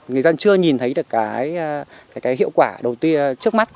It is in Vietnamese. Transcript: người dân chưa nhìn thấy được cái hiệu quả đầu tiên trước mắt